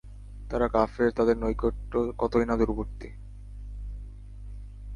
তারা কাফের, তাদের নৈকট্য কতোই না দূরবর্তী।